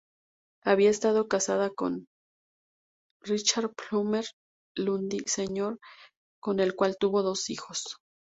Había estado casada con Richard Plummer Lundy Sr., con el cual tuvo dos hijos.